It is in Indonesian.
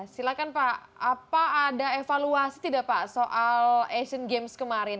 silakan pak apa ada evaluasi tidak pak soal asian games kemarin